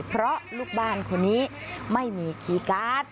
เพราะลูกบ้านคนนี้ไม่มีคีย์การ์ด